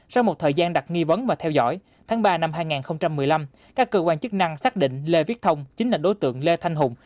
sau một thời gian đặt nghi vấn và theo dõi tháng ba năm hai nghìn một mươi năm các cơ quan chức năng xác định lê viết thông chính là đối tượng lê thanh hùng